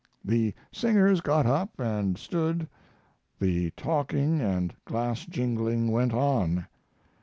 The singers got up & stood the talking & glass jingling went on.